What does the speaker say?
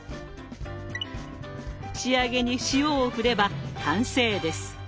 仕上げに塩を振れば完成です。